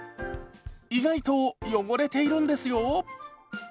意外と汚れているんですよ。